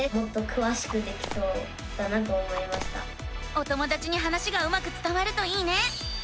お友だちに話がうまくつたわるといいね！